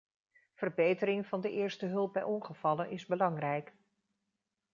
Verbetering van de eerste hulp bij ongevallen is belangrijk.